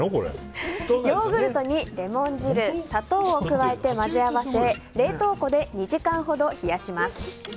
ヨーグルトにレモン汁砂糖を加えて混ぜ合わせ冷凍庫で２時間ほど冷やします。